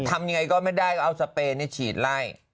ทำยังไงก็ไม่ได้เอาสเปนฉีดไล่